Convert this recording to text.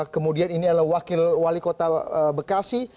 kemudian ini adalah wakil wali kota bekasi